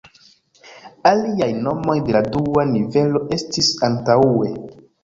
Aliaj nomoj de la dua nivelo estis antaŭe.